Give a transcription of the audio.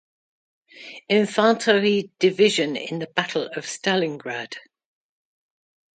Infanterie-Division in the Battle of Stalingrad.